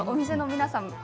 店の皆さん